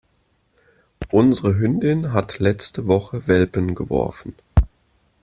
Unsere Hündin hat letzte Woche Welpen geworfen.